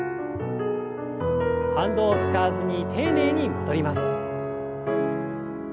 反動を使わずに丁寧に戻ります。